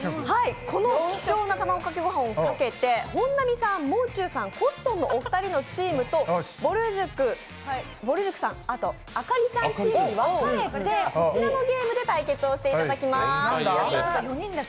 この希少なたまごかけご飯をかけて本並さん、もう中さん、コットンのチームとぼる塾さん、朱莉ちゃんチームに分かれて、こちらのゲームで対決をしていただきます。